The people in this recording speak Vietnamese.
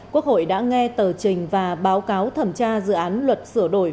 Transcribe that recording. quốc hội đã nghe tờ trình và báo cáo thẩm tra dự án luật sửa đổi